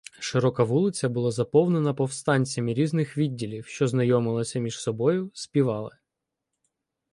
Широка вулиця була заповнена повстанцями різних відділів, що знайомилися між собою, співали.